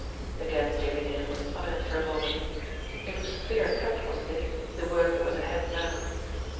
Again Jimmie Dale was silent for a moment. It was clear cut, wasn't it, the work that was ahead now?